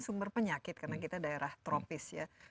sumber penyakit karena kita daerah tropis ya